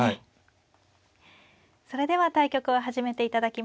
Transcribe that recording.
それでは対局を始めて頂きます。